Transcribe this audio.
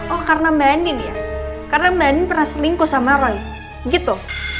oh karena mbak anim ya karena mbak andi pernah selingkuh sama roy gitu